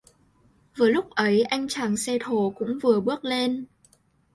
Vừa lúc ấy anh chàng xe thồ cũng vừa bước lên